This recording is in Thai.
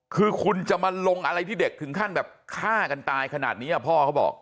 คือคุณจะมาลงอะไรที่เด็กถึงขั้นแบบฆ่ากันตายขนาดนี้พ่อเขาบอก